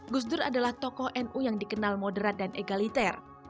gus dur adalah tokoh nu yang dikenal moderat dan egaliter